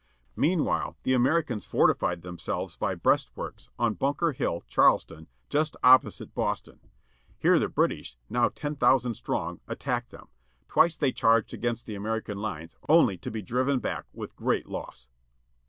Meanwhile the Americans fortified themselves by breastworks on Bunker Hill, Charlestown, just opposite Boston. Here the British, now ten thousand strong, attacked them. Twice they charged against the American lines only to be driven back with great loss.